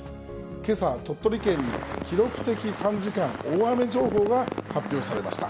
けさ、鳥取県に記録的短時間大雨情報が発表されました。